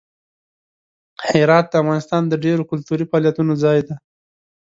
هرات د افغانستان د ډیرو کلتوري فعالیتونو ځای دی.